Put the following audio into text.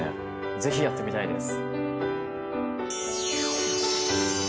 ぜひやってみたいです。